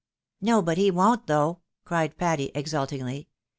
" No, but he won't though !" cried Patty, exultingly.